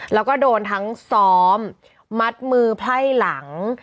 แล้วก็โดนทั้งซ้อมมัดมือไพ่หลัง